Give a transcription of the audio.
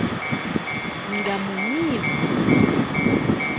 Nga munyiivu.